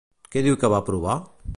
Què diu que va provar?